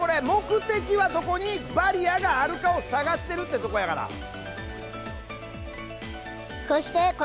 目的はどこにバリアがあるかを探してるってとこやから。